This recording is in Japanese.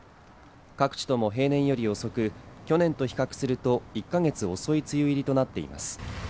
各地とも平年より遅く去年と比較すると１か月遅い梅雨入りとなっています